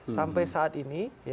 sampai saat ini